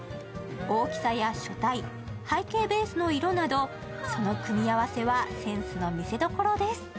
大きさや書体、背景ベースの色などその組み合わせはセンスの見せどころです。